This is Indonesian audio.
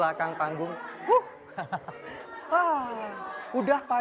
ya karena kan ngejar waktu juga